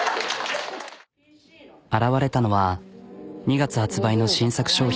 現れたのは２月発売の新作商品。